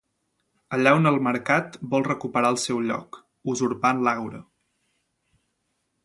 Allà on el Mercat vol recuperar el seu lloc, usurpant l'Àgora.